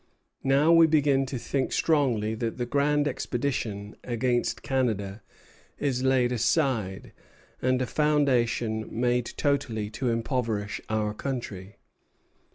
Now we begin to think strongly that the grand expedition against Canada is laid aside, and a foundation made totally to impoverish our country."